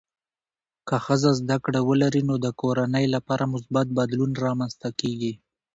که ښځه زده کړه ولري، نو د کورنۍ لپاره مثبت بدلون رامنځته کېږي.